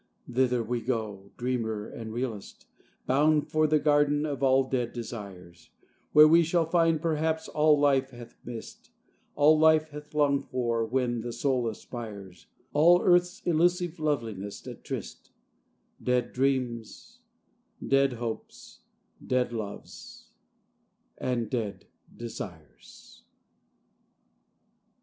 Thither we go, dreamer and realist, Bound for the Garden of all Dead Desires, Where we shall find, perhaps, all Life hath missed, All Life hath longed for when the soul aspires; All Earth's elusive loveliness at tryst Dead dreams, dead hopes, dead loves, and dead desires.